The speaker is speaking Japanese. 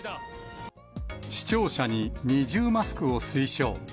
視聴者に二重マスクを推奨。